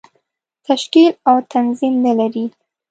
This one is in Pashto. تشکیل او تنظیم نه لري.